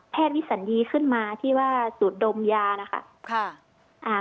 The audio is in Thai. แพทย์วิสันยีขึ้นมาที่ว่าสูตรดมยานะคะ